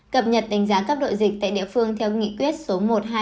cập nhật đánh giá cấp độ dịch tại địa phương theo nghị quyết số một trăm hai mươi tám